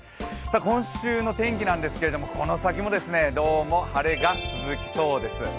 今週の天気なんですけど、この先もどうも晴れが続きそうです。